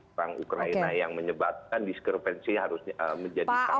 perang ukraina yang menyebabkan diskrepensi harus menjadi sangat tinggi